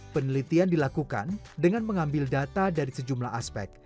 penelitian dilakukan dengan mengambil data dari sejumlah aspek